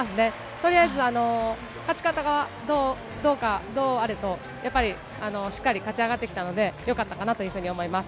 とりあえず、勝ち方がどうか、どうあれとやっぱり、しっかり勝ち上がってきたので、よかったかなというふうに思います。